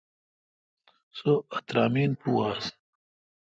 سو اترامین پو آس۔